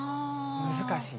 難しい。